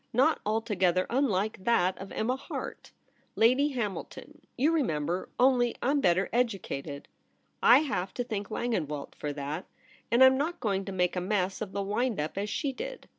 Not altogether unlike that of Emma Harte, Lady Hamilton — you re member — only I'm better educated. I have to thank Langenwelt for that ; and I'm not going to make a mess of the wind up as she did.